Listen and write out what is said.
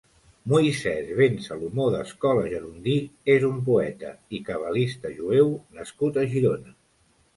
Moisès ben Salomó d'Escola Gerondí és un poeta i cabalista jueu nascut a Girona.